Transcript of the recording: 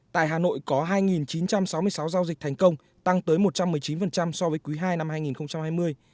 tại hà nội có hai chín trăm sáu mươi sáu giao dịch thành công tăng tới một trăm một mươi chín so với quý ii năm hai nghìn hai mươi